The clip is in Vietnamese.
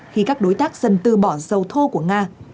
khi các đối tác dân tư bỏ dầu thô của nga